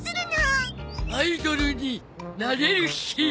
アイドルになれる日。